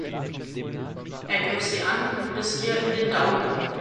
Er griff sie an und biss ihr in den Daumen.